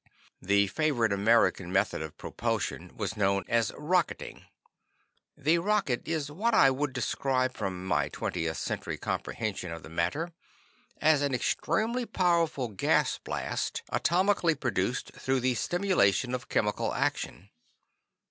The favorite American method of propulsion was known as "rocketing." The rocket is what I would describe, from my 20th Century comprehension of the matter, as an extremely powerful gas blast, atomically produced through the stimulation of chemical action.